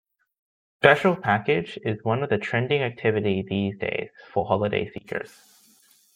Special Package is one of trending activity these days for holiday seekers.